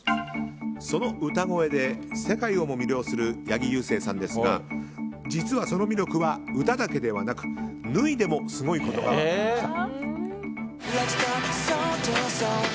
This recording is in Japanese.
その歌声で世界をも魅了する八木勇征さんですが実はその魅力は歌だけではなく脱いでもすごいことが分かりました。